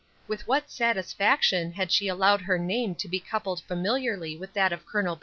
With what satisfaction had she allowed her name to be coupled familiarly with that of Col.